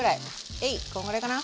えいっこんぐらいかな？